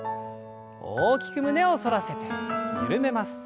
大きく胸を反らせて緩めます。